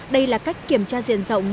đây là cách kiểm tra diện rộng